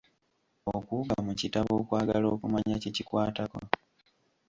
Okuwuga mu kitabo okwagala okumanya kye kikwatako.